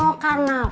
bukan karena apa